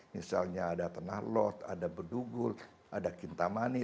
misalnya ada tenah lot ada berdugul ada kintamani